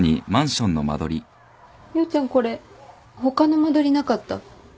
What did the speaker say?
陽ちゃんこれ他の間取りなかった？